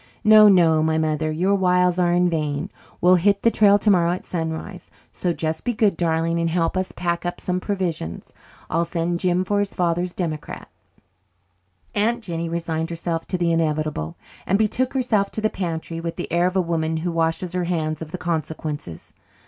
"No, no, my mother, your wiles are in vain. We'll hit the trail tomorrow at sunrise. So just be good, darling, and help us pack up some provisions. I'll send Jim for his father's democrat." Aunt Jennie resigned herself to the inevitable and betook herself to the pantry with the air of a woman who washes her hands of the consequences.